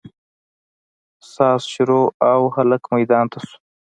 ساز شروع او هلک ميدان ته سو.